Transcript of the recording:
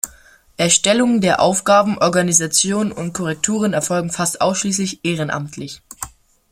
Erstellung der Aufgaben, Organisation und Korrekturen erfolgen fast ausschließlich ehrenamtlich.